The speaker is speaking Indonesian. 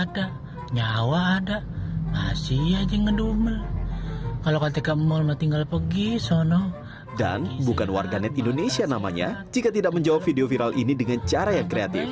kalau bukan warganet indonesia namanya jika tidak menjawab video viral ini dengan cara yang kreatif